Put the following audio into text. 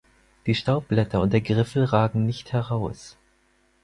Die Staubblätter und der Griffel ragen nicht heraus.